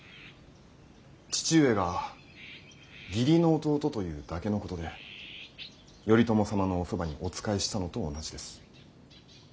父上が義理の弟というだけのことで頼朝様のおそばにお仕えしたのと同じです。